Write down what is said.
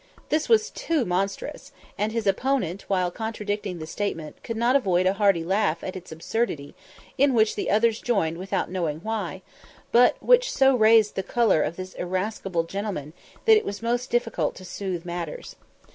This was too monstrous, and his opponent, while contradicting the statement, could not avoid a hearty laugh at its absurdity, in which the others joined without knowing why, which so raised the choler of this irascible gentleman, that it was most difficult to smooth matters.